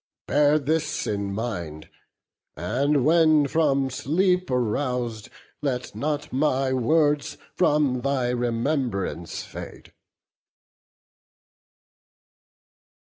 Bear this in mind; and when from sleep arous'd Let not my words from thy remembrance fade."